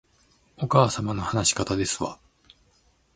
お母様の話し方ですわ